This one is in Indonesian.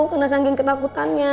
karena sangking ketakutannya